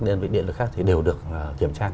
đơn vị điện lực khác thì đều được kiểm tra